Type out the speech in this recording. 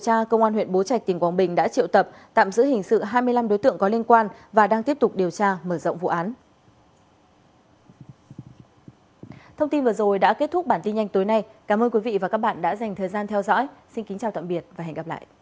thông qua mạng xã hạnh lâm huyện phan đình hoàng và đang tiếp tục điều tra mở rộng vụ án